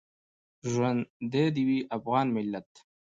ژوندی دې وي افغان ملت